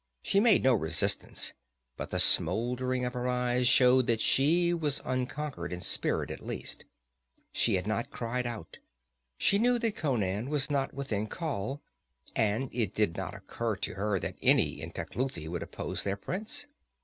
She made no resistance, but the smoldering of her eyes showed that she was unconquered in spirit, at least. She had not cried out. She knew that Conan was not within call, and it did not occur to her that any in Tecuhltli would oppose their prince.